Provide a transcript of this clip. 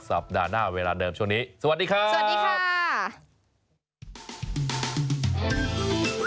สัปดาห์หน้าเวลาเดิมช่วงนี้สวัสดีครับ